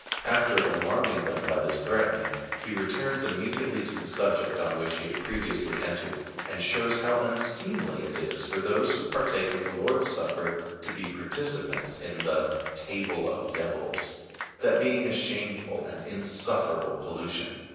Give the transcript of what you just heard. After alarming them by this threatening he returns immediately to the subject on which he had previously entered, and shows how unseemly it is for those who partake of the Lord's Supper to be par ticipants in the " table of devils," that being a shameful and insufferable pollution.